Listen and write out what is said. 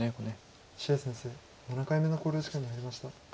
謝先生７回目の考慮時間に入りました。